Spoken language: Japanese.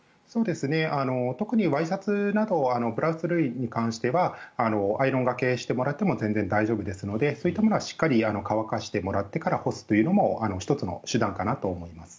特にワイシャツなどブラウス類に関してはアイロンがけしてもらっても全然大丈夫ですのでそういったものはしっかり乾かしてもらってから干すのも１つの手段かなと思います。